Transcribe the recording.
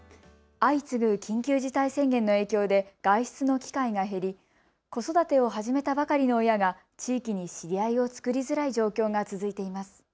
相次ぐ緊急事態宣言の影響で外出の機会が減り子育てを始めたばかりの親が地域に知り合いを作りづらい状況が続いています。